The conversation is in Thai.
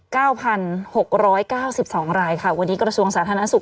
เก้าพันหกร้อยเก้าสิบสองรายค่ะวันนี้กระทรวงสาธารณสุข